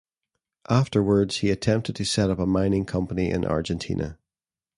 Afterwards he attempted to set up a mining company in Argentina.